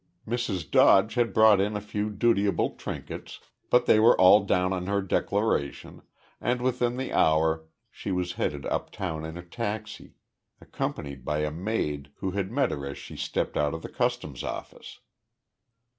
Mrs. Dodge had brought in a few dutiable trinkets, but they were all down on her declaration, and within the hour she was headed uptown in a taxi, accompanied by a maid who had met her as she stepped out of the customs office.